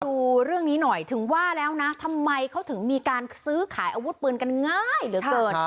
ดูเรื่องนี้หน่อยถึงว่าแล้วนะทำไมเขาถึงมีการซื้อขายอาวุธปืนกันง่ายเหลือเกิน